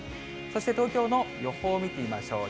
そして東京の予報見てみましょう。